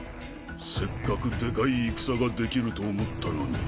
せっかくでかい戦ができると思ったのに。